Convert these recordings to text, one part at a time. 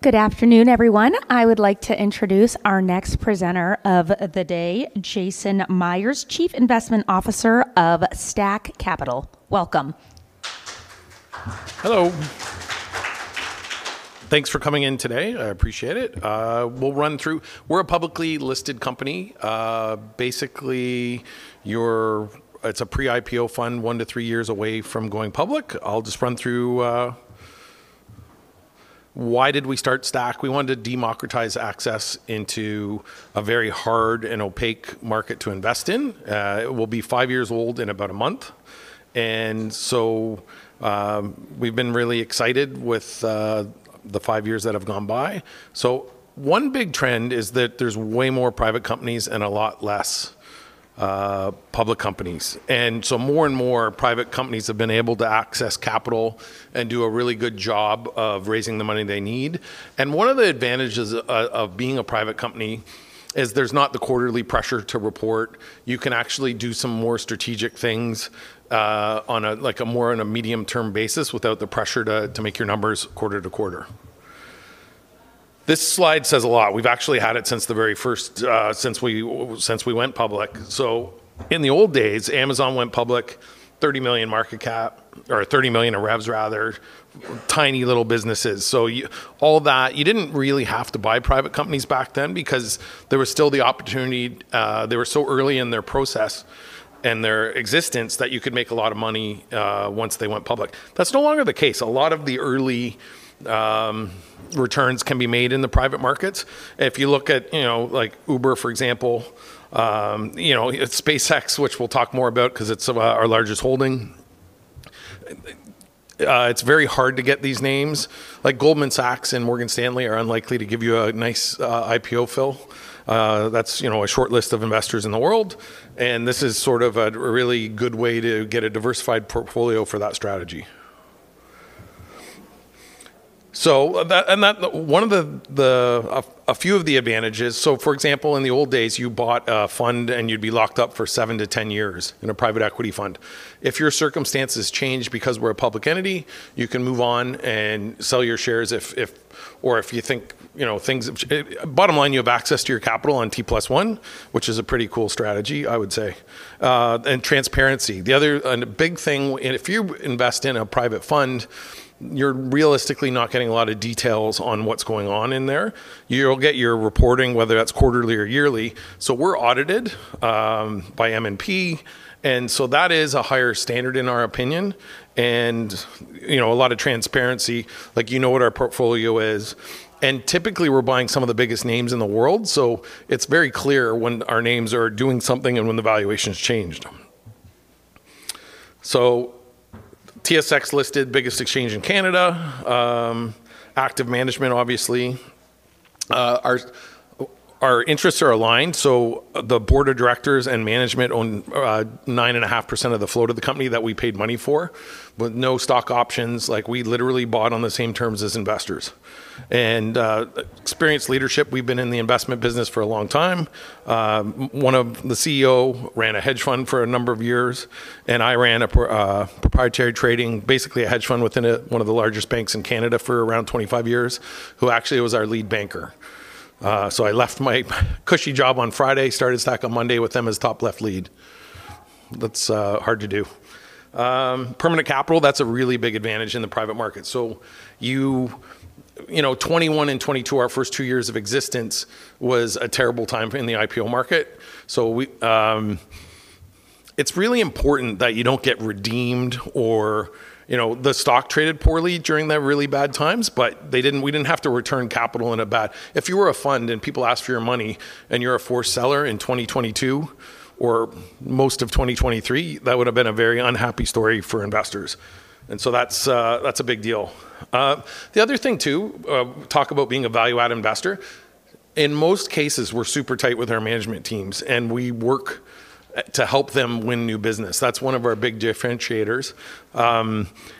Good afternoon, everyone. I would like to introduce our next presenter of the day, Jason Meiers, Chief Investment Officer of Stack Capital. Welcome. Hello. Thanks for coming in today. I appreciate it. We'll run through. We're a publicly listed company. Basically, it's a pre-IPO fund one to three years away from going public. I'll just run through why did we start Stack. We wanted to democratize access into a very hard and opaque market to invest in. It will be five years old in about a month. We've been really excited with the five years that have gone by. One big trend is that there's way more private companies and a lot less public companies. More and more private companies have been able to access capital and do a really good job of raising the money they need. One of the advantages of being a private company is there's not the quarterly pressure to report. You can actually do some more strategic things on a more medium-term basis without the pressure to make your numbers quarter to quarter. This slide says a lot. We've actually had it since the very first since we went public. In the old days, Amazon went public, 30 million market cap or 30 million in revs rather, tiny little businesses. All that, you didn't really have to buy private companies back then because there was still the opportunity. They were so early in their process and their existence that you could make a lot of money once they went public. That's no longer the case. A lot of the early returns can be made in the private markets. If you look at, you know, like Uber, for example, you know, SpaceX, which we'll talk more about because it's our largest holding. It's very hard to get these names. Like, Goldman Sachs and Morgan Stanley are unlikely to give you a nice IPO fill. That's, you know, a short list of investors in the world, and this is sort of a really good way to get a diversified portfolio for that strategy. A few of the advantages. For example, in the old days, you bought a fund, and you'd be locked up for 7-10 years in a private equity fund. If your circumstances change because we're a public entity, you can move on and sell your shares if or if you think, you know. Bottom line, you have access to your capital on T+1, which is a pretty cool strategy, I would say. Transparency. A big thing, if you invest in a private fund, you're realistically not getting a lot of details on what's going on in there. You'll get your reporting, whether that's quarterly or yearly. We're audited by MNP, that is a higher standard in our opinion and, you know, a lot of transparency. Like, you know what our portfolio is. Typically, we're buying some of the biggest names in the world, it's very clear when our names are doing something and when the valuation's changed. TSX-listed, biggest exchange in Canada. Active management, obviously. Our interests are aligned, so the board of directors and management own 9.5% of the float of the company that we paid money for with no stock options. Like, we literally bought on the same terms as investors. Experienced leadership. We've been in the investment business for a long time. One of the CEO ran a hedge fund for a number of years, and I ran a proprietary trading, basically a hedge fund within one of the largest banks in Canada for around 25 years, who actually was our lead banker. I left my cushy job on Friday, started Stack on Monday with him as top left lead. That's hard to do. Permanent capital, that's a really big advantage in the private market. You, you know, 2021 and 2022, our first two years of existence, was a terrible time in the IPO market. We. It's really important that you don't get redeemed or, you know, the stock traded poorly during the really bad times, but we didn't have to return capital in a bad. If you were a fund and people asked for your money and you're a forced seller in 2022 or most of 2023, that would have been a very unhappy story for investors. That's a big deal. The other thing too, talk about being a value-add investor. In most cases, we're super tight with our management teams, and we work to help them win new business. That's one of our big differentiators.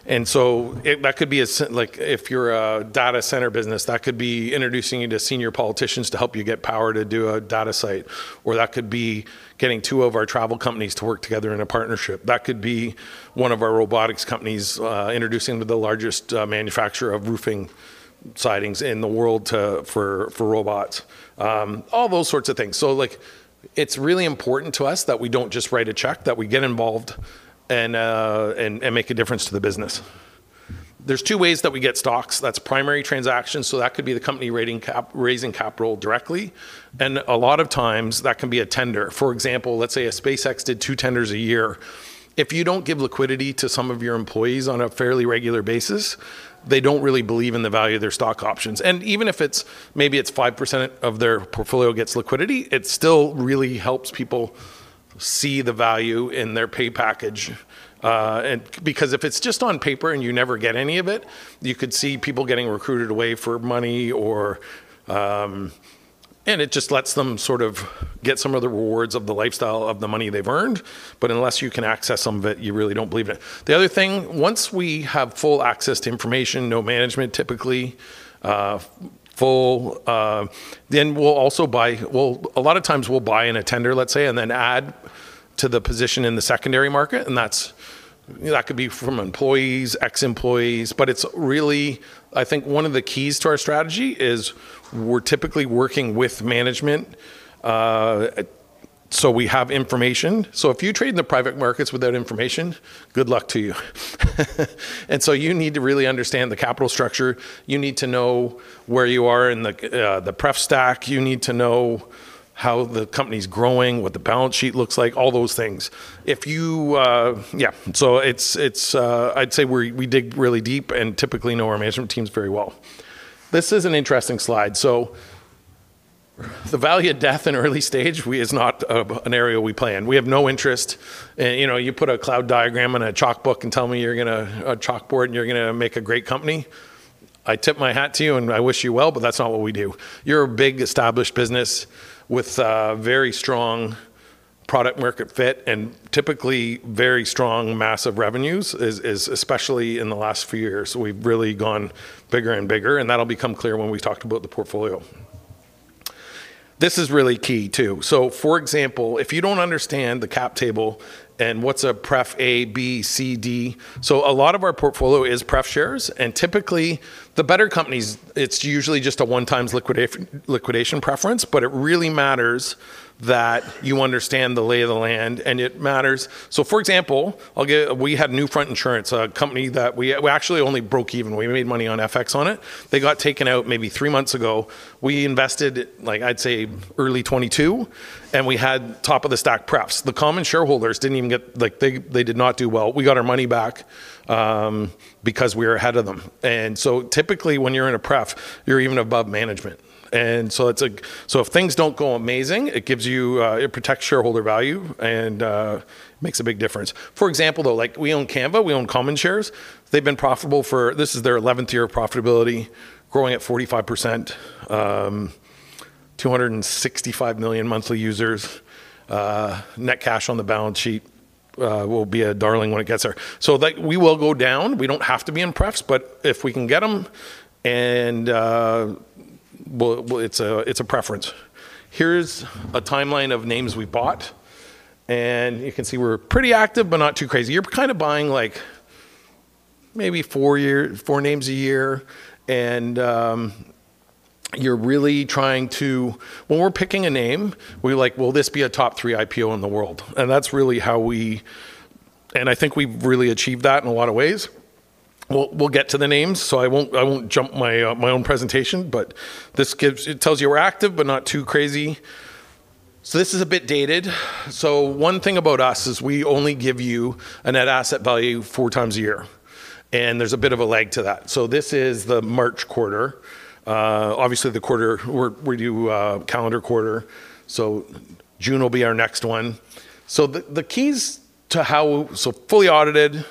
That could be a, like, if you're a data center business, that could be introducing you to senior politicians to help you get power to do a data site, or that could be getting two of our travel companies to work together in a partnership. That could be one of our robotics companies, introducing to the largest manufacturer of roofing sidings in the world for robots. All those sorts of things. Like, it's really important to us that we don't just write a check, that we get involved and make a difference to the business. There's two ways that we get stocks. That's primary transactions, so that could be the company raising capital directly. A lot of times, that can be a tender. For example, let's say a SpaceX did two tenders a year. If you don't give liquidity to some of your employees on a fairly regular basis, they don't really believe in the value of their stock options. Even if it's maybe it's 5% of their portfolio gets liquidity, it still really helps people see the value in their pay package. Because if it's just on paper and you never get any of it, you could see people getting recruited away for money. It just lets them sort of get some of the rewards of the lifestyle of the money they've earned. Unless you can access some of it, you really don't believe it. The other thing, once we have full access to information, no management typically, full. We'll also buy a lot of times, we'll buy in a tender, let’s say, and then add to the position in the secondary market, and that could be from employees, ex-employees. It's really, I think, one of the keys to our strategy is we're typically working with management. We have information. If you trade in the private markets without information, good luck to you. You need to really understand the capital structure. You need to know where you are in the pref stack. You need to know how the company's growing, what the balance sheet looks like, all those things. If you. Yeah, it's, I'd say we dig really deep and typically know our management teams very well. This is an interesting slide. The valley of death in early stage, is not an area we play in. We have no interest in, you know, you put a cloud diagram on a chalkboard, and you're gonna make a great company, I tip my hat to you, and I wish you well, but that's not what we do. You're a big, established business with very strong product market fit and typically very strong massive revenues, especially in the last few years. We've really gone bigger and bigger, and that'll become clear when we've talked about the portfolio. This is really key too. For example, if you don't understand the cap table and what's a pref A, B, C, D. A lot of our portfolio is pref shares, and typically, the better companies, it's usually just a one times liquidation preference, but it really matters that you understand the lay of the land, and it matters for example, we have Newfront Insurance, a company that we actually only broke even. We made money on FX on it. They got taken out maybe three months ago. We invested, like, I'd say early 2022, and we had top of the stack prefs. The common shareholders they did not do well. We got our money back because we were ahead of them. Typically, when you're in a pref, you're even above management. If things don't go amazing, it gives you, it protects shareholder value and makes a big difference. For example, though, like we own Canva. We own common shares. They've been profitable for. This is their 11th year of profitability, growing at 45%, 265 million monthly users. Net cash on the balance sheet will be a darling when it gets there. Like, we will go down. We don't have to be in prefs, but if we can get them and it's a, it's a preference. Here's a timeline of names we bought. You can see we're pretty active, but not too crazy. You're kind of buying, like, maybe four names a year. You're really trying to. When we're picking a name, we're like, "Will this be a top three IPO in the world?" That's really how we. I think we've really achieved that in a lot of ways. We'll get to the names, I won't jump my own presentation, but this gives it tells you we're active, but not too crazy. This is a bit dated. One thing about us is we only give you a net asset value four times a year, and there's a bit of a lag to that. This is the March quarter. Obviously, the quarter, we do a calendar quarter, June will be our next one. Fully audited, you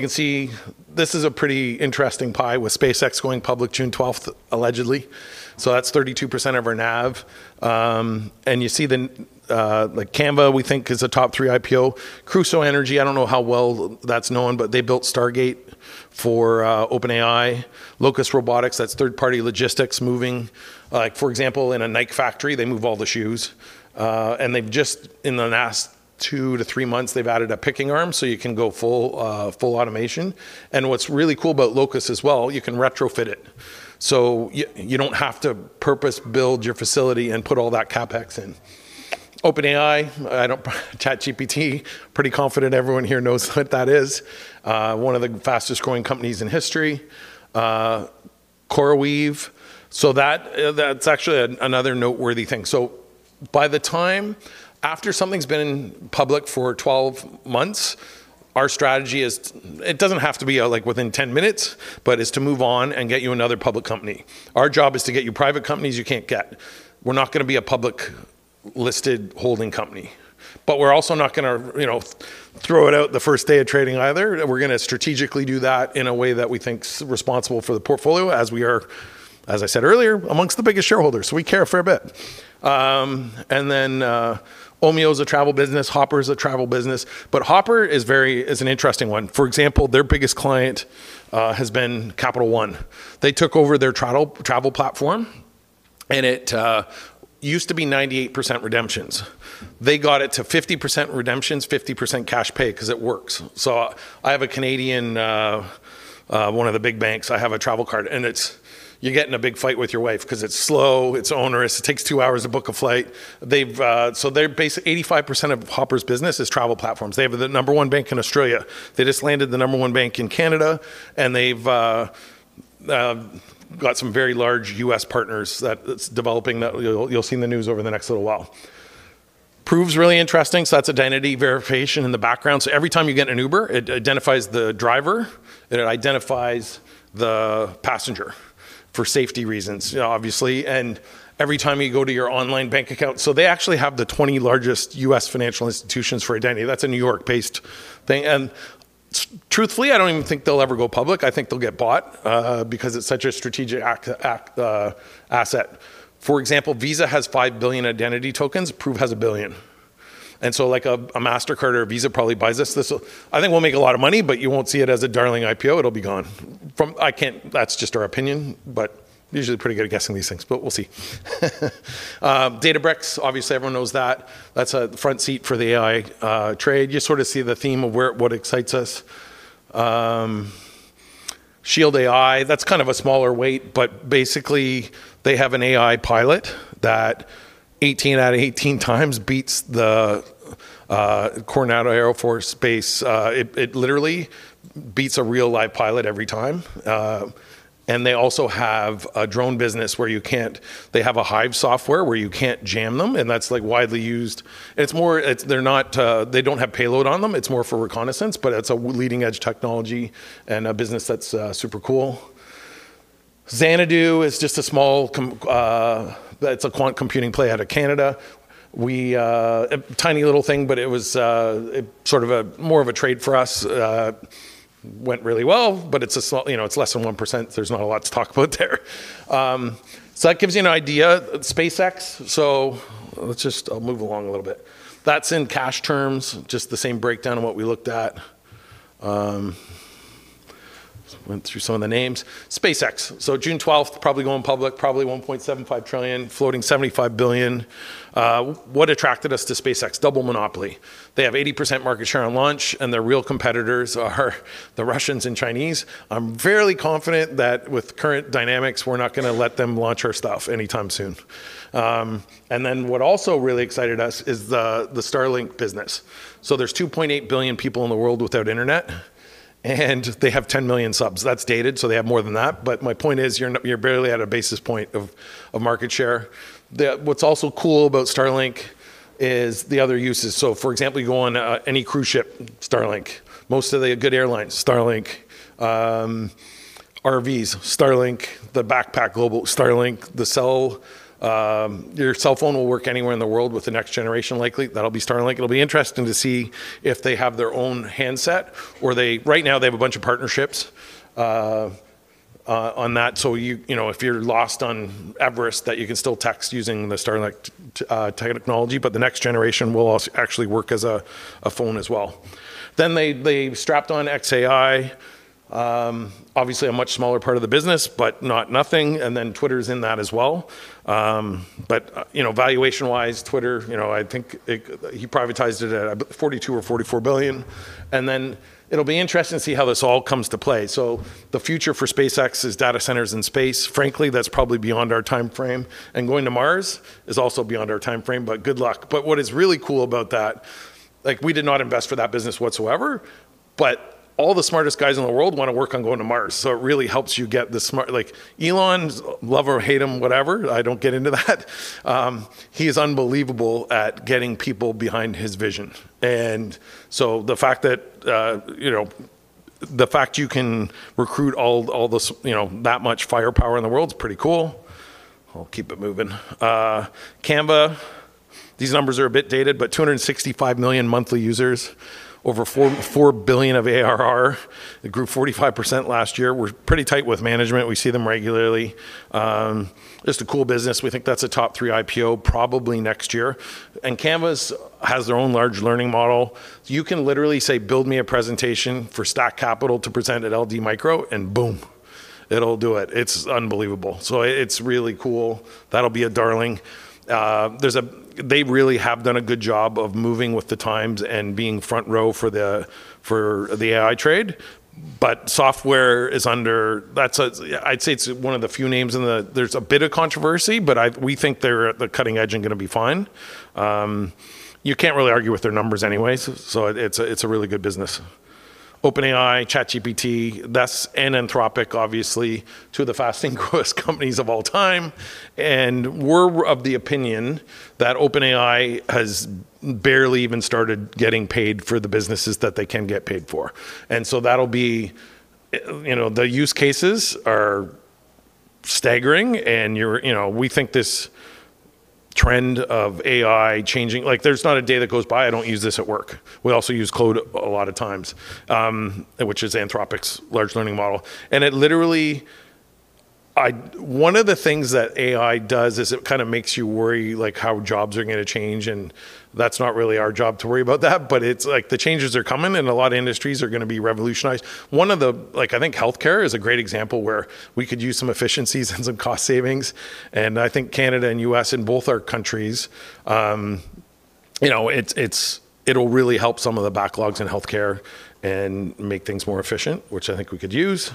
can see this is a pretty interesting pie with SpaceX going public June 12th, allegedly. That's 32% of our NAV. You see the like Canva, we think is a top three IPO. Crusoe Energy, I don't know how well that's known, but they built Stargate for OpenAI. Locus Robotics, that's third-party logistics moving. Like, for example, in a Nike factory, they move all the shoes. They've just, in the last two to three months, they've added a picking arm, so you can go full automation. What's really cool about Locus as well, you can retrofit it. You don't have to purpose build your facility and put all that CapEx in. OpenAI, ChatGPT, pretty confident everyone here knows what that is. One of the fastest-growing companies in history. CoreWeave. That's actually another noteworthy thing. After something's been public for 12 months, our strategy is, it doesn't have to be, like within 10 minutes, to move on and get you another public company. Our job is to get you private companies you can't get. We're not gonna be a public listed holding company. We're also not gonna, you know, throw it out the first day of trading either. We're gonna strategically do that in a way that we think's responsible for the portfolio as we are, as I said earlier, amongst the biggest shareholders. We care a fair bit. Omio is a travel business. Hopper is a travel business. Hopper is an interesting one. For example, their biggest client has been Capital One. They took over their travel platform, and it used to be 98% redemptions. They got it to 50% redemptions, 50% cash pay 'cause it works. I have a Canadian, one of the big banks, I have a travel card, and you get in a big fight with your wife 'cause it's slow, it's onerous, it takes two hours to book a flight. They've 85% of Hopper's business is travel platforms. They have the number one bank in Australia. They just landed the number one bank in Canada, they've got some very large U.S. partners that's developing that you'll see in the news over the next little while. Prove's really interesting. That's identity verification in the background. Every time you get an Uber, it identifies the driver, and it identifies the passenger for safety reasons, you know, obviously, every time you go to your online bank account. They actually have the 20 largest U.S. financial institutions for identity. That's a New York-based thing. truthfully, I don't even think they'll ever go public. I think they'll get bought because it's such a strategic asset. For example, Visa has five billion identity tokens. Prove has one billion. Mastercard or a Visa probably buys this. I think we'll make a lot of money, but you won't see it as a darling IPO. It'll be gone. That's just our opinion, but usually pretty good at guessing these things, but we'll see. Databricks, obviously everyone knows that. That's a front seat for the AI trade. You sort of see the theme of what excites us. Shield AI, that's kind of a smaller weight, but basically they have an AI pilot that 18 out of 18 times beats the Coronado Airforce Base. It literally beats a real live pilot every time. They also have a drone business where they have a hive software where you can't jam them, and that's, like, widely used. They're not, they don't have payload on them. It's more for reconnaissance, but it's a leading-edge technology and a business that's super cool. Xanadu is just a small, that's a quant computing play out of Canada. We, a tiny little thing, but it was sort of a more of a trade for us. Went really well, but it's, you know, it's less than 1%. There's not a lot to talk about there. That gives you an idea. SpaceX. I'll move along a little bit. That's in cash terms, just the same breakdown of what we looked at. Went through some of the names. SpaceX. June 12th, probably going public, probably $1.75 trillion, floating $75 billion. What attracted us to SpaceX? Double monopoly. They have 80% market share on launch, and their real competitors are the Russians and Chinese. I'm fairly confident that with current dynamics, we're not gonna let them launch our stuff anytime soon. What also really excited us is the Starlink business. There's 2.8 billion people in the world without internet, and they have 10 million subs. That's dated, so they have more than that. My point is, you're barely at a basis point of market share. What's also cool about Starlink is the other uses. For example, you go on any cruise ship, Starlink. Most of the good airlines, Starlink. RVs, Starlink. The backpack global, Starlink. Your cell phone will work anywhere in the world with the next generation likely. That'll be Starlink. It'll be interesting to see if they have their own handset or they. Right now they have a bunch of partnerships on that. You know, if you're lost on Everest, that you can still text using the Starlink technology, but the next generation will actually work as a phone as well. They strapped on xAI. Obviously a much smaller part of the business, but not nothing. Twitter is in that as well. You know, valuation-wise, Twitter, you know, I think he privatized it at 42 billion or 44 billion. It'll be interesting to see how this all comes to play. The future for SpaceX is data centers in space. Frankly, that's probably beyond our timeframe. Going to Mars is also beyond our timeframe, but good luck. What is really cool about that, like, we did not invest for that business whatsoever, but all the smartest guys in the world wanna work on going to Mars. It really helps you get the smart- Like Elon, love or hate him, whatever, I don't get into that. He's unbelievable at getting people behind his vision. The fact that, you know, the fact you can recruit all you know, that much firepower in the world is pretty cool. I'll keep it moving. Canva, these numbers are a bit dated, but 265 million monthly users, over 4 billion of ARR. It grew 45% last year. We're pretty tight with management. We see them regularly. Just a cool business. We think that's a top three IPO probably next year. Canva has their own large language model. You can literally say, "Build me a presentation for Stack Capital to present at LD Micro," and boom, it'll do it. It's unbelievable. It's really cool. That'll be a darling. They really have done a good job of moving with the times and being front row for the AI trade. But software is under, I say it's one of the few names where there's a bit of controversy, but we think they're at the cutting edge and gonna be fine. You can't really argue with their numbers anyway, so it's a really good business. OpenAI, ChatGPT, that's Anthropic, obviously, two of the fastest growing companies of all time. We're of the opinion that OpenAI has barely even started getting paid for the businesses that they can get paid for. So that'll be, you know The use cases are staggering and you're, you know We think this trend of AI changing Like, there's not a day that goes by I don't use this at work. We also use Claude a lot of times, which is Anthropic's large language model. It literally One of the things that AI does is it kinda makes you worry, like, how jobs are gonna change, and that's not really our job to worry about that. It's like the changes are coming and a lot of industries are going to be revolutionized. I think healthcare is a great example where we could use some efficiencies and some cost savings. I think Canada and U.S., in both our countries, you know, it will really help some of the backlogs in healthcare and make things more efficient, which I think we could use.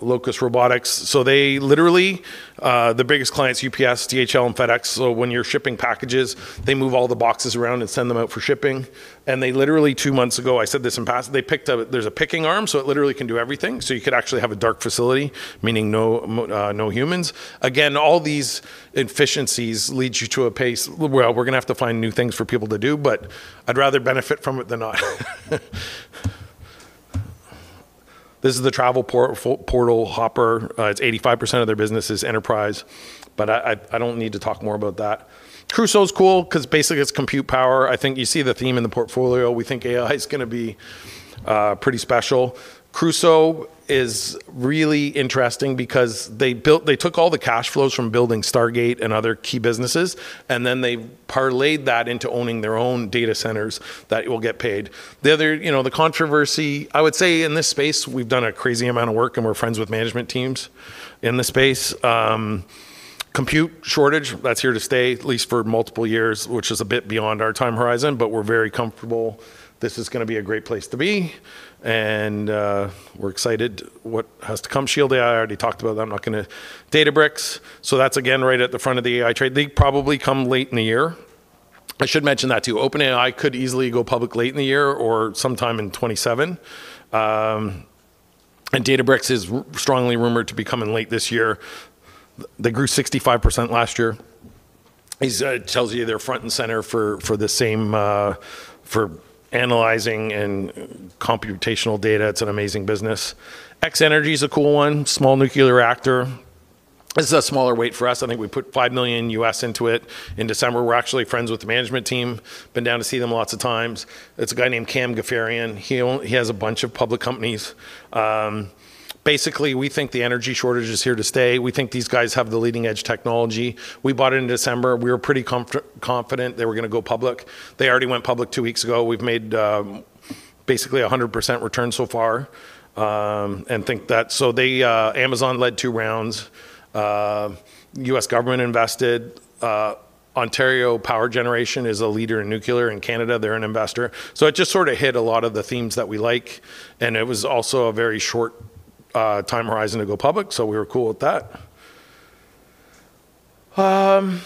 Locus Robotics. They literally, the biggest clients, UPS, DHL, and FedEx. When you're shipping packages, they move all the boxes around and send them out for shipping. They literally, two months ago, I said this in past, there's a picking arm, so it literally can do everything. You could actually have a dark facility, meaning no humans. All these efficiencies lead you to a pace where we're going to have to find new things for people to do, I'd rather benefit from it than not. This is the travel portal, Hopper. It's 85% of their business is enterprise, I don't need to talk more about that. Crusoe is cool because basically it's compute power. I think you see the theme in the portfolio. We think AI is going to be pretty special. Crusoe is really interesting because they took all the cash flows from building Stargate and other key businesses, and then they parlayed that into owning their own data centers that will get paid. The other, you know, the controversy I would say in this space, we've done a crazy amount of work and we're friends with management teams in the space. Compute shortage, that's here to stay at least for multiple years, which is a bit beyond our time horizon. We're very comfortable this is gonna be a great place to be, and we're excited what has to come. Shield AI, I already talked about that. Databricks, so that's, again, right at the front of the AI trade. They probably come late in the year. I should mention that too. OpenAI could easily go public late in the year or sometime in 2027. Databricks is strongly rumored to be coming late this year. They grew 65% last year. It tells you they're front and center for the same, for analyzing and computational data. It's an amazing business. X-energy's a cool one, small nuclear reactor. This is a smaller weight for us. I think we put $5 million US into it in December. We're actually friends with the management team. Been down to see them lots of times. It's a guy named Kam Ghaffarian. He has a bunch of public companies. Basically, we think the energy shortage is here to stay. We think these guys have the leading-edge technology. We bought it in December. We were pretty confident they were gonna go public. They already went public two weeks ago. We've made, basically a 100% return so far, and think that Amazon ledtwo rounds. U.S. government invested. Ontario Power Generation is a leader in nuclear in Canada. They're an investor. It just sort of hit a lot of the themes that we like, and it was also a very short time horizon to go public, so we were cool with that. One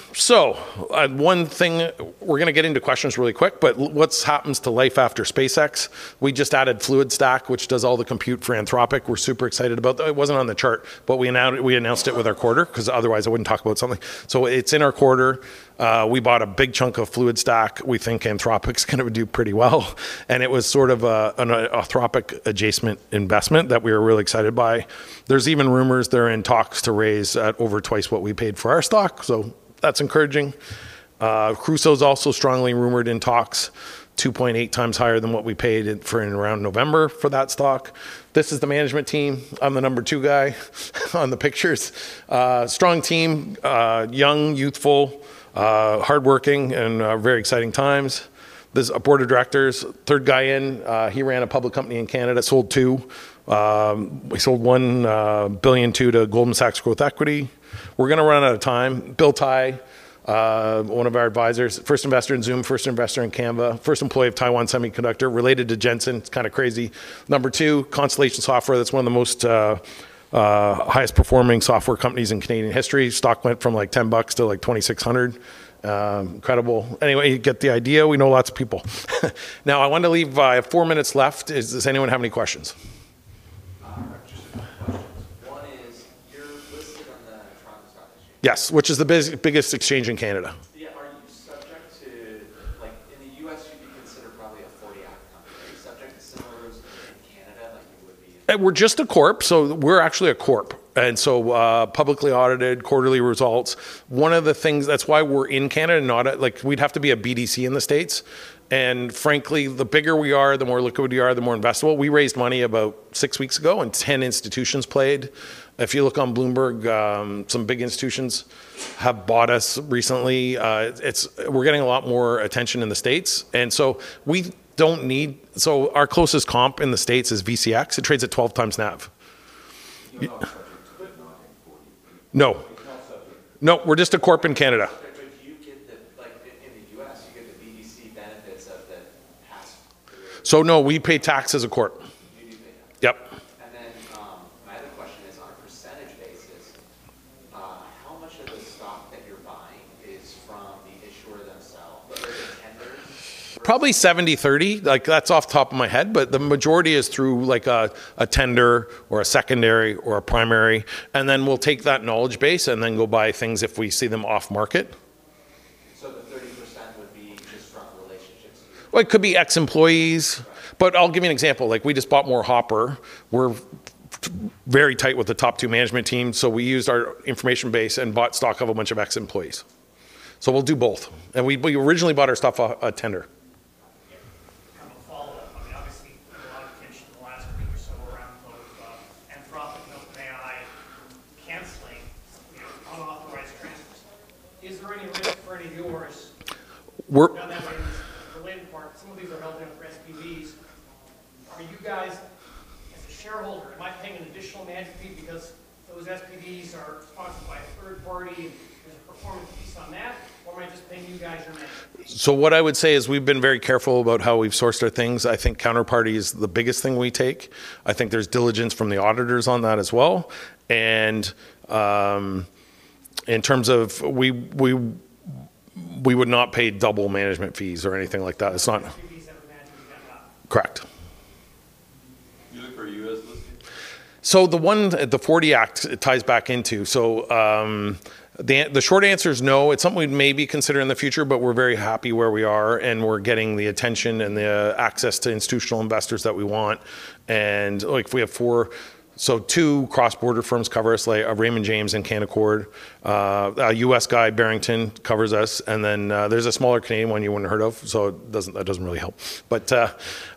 thing. We're going to get into questions really quick, but what happens to life after SpaceX? We just added FluidStack, which does all the compute for Anthropic. We're super excited about that. It wasn't on the chart, but we announced it with our quarter because otherwise I wouldn't talk about something. It's in our quarter. We bought a big chunk of FluidStack. We think Anthropic's going to do pretty well, and it was sort of an Anthropic-adjacent investment that we were really excited by. There's even rumors they're in talks to raise at over twice what we paid for our stock, so that's encouraging. Crusoe's also strongly rumored in talks 2.8 times higher than what we paid for in around November for that stock. This is the management team. I'm the number two guy on the pictures. Strong team. Young, youthful, hardworking, and very exciting times. Board of directors, third guy in, he ran a public company in Canada, sold two. We sold 1.2 billion to Goldman Sachs Growth Equity. We're gonna run out of time. Bill Tai, one of our advisors, first investor in Zoom, first investor in Canva, first employee of Taiwan Semiconductor, related to Jensen. It's kinda crazy. Number two, Constellation Software, that's one of the most highest performing software companies in Canadian history. Stock went from like 10 bucks to like 2,600. Incredible. Anyway, you get the idea. We know lots of people. Now, I wanna leave, four minutes left. Does anyone have any questions? Yes, which is the biggest exchange in Canada. We're just a Corp, we're actually a Corp, publicly audited, quarterly results. That's why we're in Canada. We'd have to be a BDC in the States. Frankly, the bigger we are, the more liquid we are, the more investable. We raised money about six weeks ago, 10 institutions played. If you look on Bloomberg, some big institutions have bought us recently. We're getting a lot more attention in the States. Our closest comp in the States is VCX. It trades at 12 times NAV. No. No. We're just a corp in Canada. No, we pay tax as a corp. Yep. My other question is, how much of the stock that you're buying is from the issuer themselves versus tenders? Probably 70/30. Like, that's off the top of my head, but the majority is through, like, a tender or a secondary or a primary, and then we'll take that knowledge base and then go buy things if we see them off-market. Well, it could be ex-employees. I'll give you an example. Like, we just bought more Hopper. We're very tight with the top two management teams, so we used our information base and bought stock of a bunch of ex-employees. We'll do both, and we originally bought our stuff out of tender. I mean, obviously, there was a lot of attention in the last week or so around both Anthropic and OpenAI canceling, you know, unauthorized transfers. Is there any risk for any of yours- We're- That brings the related part. Some of these are held in for SPVs. Are you guys As a shareholder, am I paying an additional management fee because those SPVs are sponsored by a third party, and there's a performance piece on that? Or am I just paying What I would say is we've been very careful about how we've sourced our things. I think counterparty is the biggest thing we take. I think there's diligence from the auditors on that as well. We would not pay double management fees or anything like that. Correct. The 40 Act, it ties back into. The short answer is no. It's something we'd maybe consider in the future, but we're very happy where we are, and we're getting the attention and the access to institutional investors that we want. Like, we have four. Two cross-border firms cover us, like, Raymond James and Canaccord. A U.S. guy, Barrington, covers us. Then, there's a smaller Canadian one you wouldn't heard of, so that doesn't really help.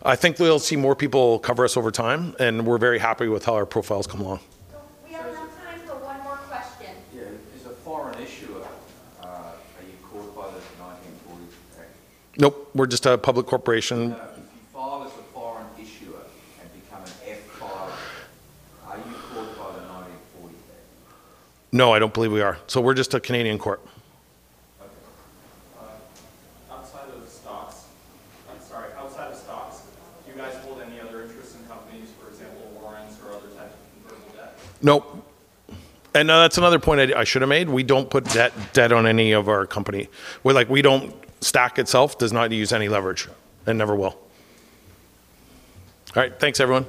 I think we'll see more people cover us over time, and we're very happy with how our profile's come along. We have enough time for one more question. Yeah. As a foreign issuer, Nope. We're just a public corporation. No, no. If you file as a foreign issuer and become an F filer, are you caught by the No, I don't believe we are. We're just a Canadian corp. Okay. Outside of stocks, Nope. That's another point I should have made. We don't put debt on any of our company. Stack itself does not use any leverage and never will. All right. Thanks, everyone.